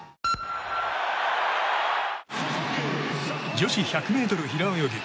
女子１００ｍ平泳ぎ。